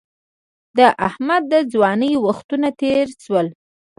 د احمد د ځوانۍ وختونه تېر شوي